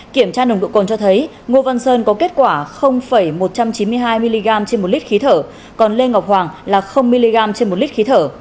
kiểm tra nồng độ cồn cho thấy ngô văn sơn có kết quả một trăm chín mươi hai mg trên một lít khí thở còn lê ngọc hoàng là mg trên một lít khí thở